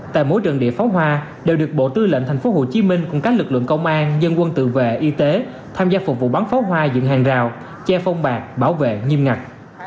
tại mỗi trận địa phóng hoa đều được bộ tư lệnh thành phố hồ chí minh cùng các lực lượng công an dân quân tự vệ y tế tham gia phục vụ bắn phóng hoa dựng hàng rào che phong bạc bảo vệ nhiêm ngặt